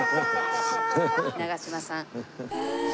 長嶋さん。